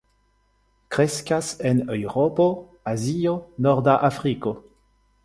Kreskas en Eŭropo, Azio, norda Afriko.